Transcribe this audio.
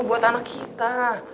buat anak kita